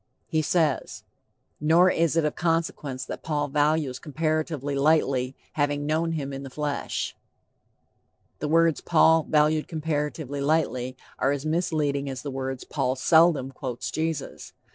He says: "Nor is it of consequence that Paul values comparatively lightly, having known him in the flesh." The words "Paul valued comparatively lightly" are as misleading as the words "Paul seldom quotes Jesus."